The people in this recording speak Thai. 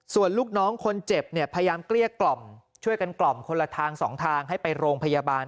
ส่วนลูกน้องคนเจ็บเนี่ยพยายามเกลี้ยกล่อมช่วยกันกล่อมคนละทางสองทางให้ไปโรงพยาบาล